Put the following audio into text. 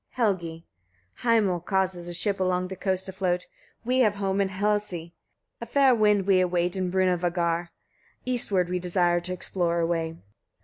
Helgi. 5. Hamal causes a ship along the coasts to float; we have home in Hlesey; a fair wind we await in Brunavagar; eastward we desire to explore a way.